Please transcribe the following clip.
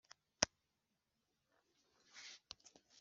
ukaba wamugenda inyuma ntabimenye.